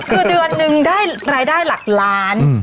คือเดือนนึงได้รายได้หลักล้าน